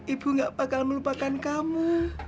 ibu gak bakal melupakan kamu